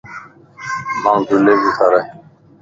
مانک جيلي کارائي